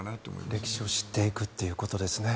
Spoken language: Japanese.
歴史を知っていくということですね。